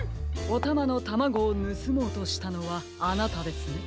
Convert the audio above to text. おたまのタマゴをぬすもうとしたのはあなたですね。